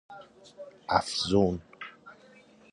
افزون